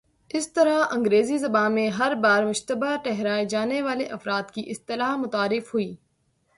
اس طرح انگریزی زبان میں ''ہر بار مشتبہ ٹھہرائے جانے والے افراد "کی اصطلاح متعارف ہوئی۔